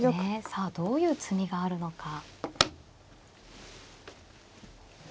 さあどういう詰みがあるのか。